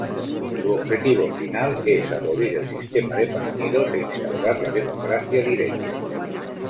Su objetivo final es abolir el sistema de partidos e instaurar la democracia directa.